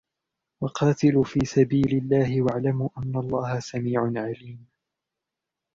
وَقَاتِلُوا فِي سَبِيلِ اللَّهِ وَاعْلَمُوا أَنَّ اللَّهَ سَمِيعٌ عَلِيمٌ